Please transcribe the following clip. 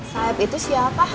saeb itu siapa